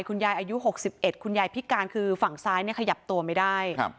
อายุ๖๑คุณยายพิการคือฝั่งซ้ายเนี่ยขยับตัวไม่ได้